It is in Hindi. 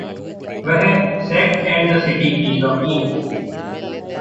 वह "सेक्स एंड द सिटी" की शौकीन है।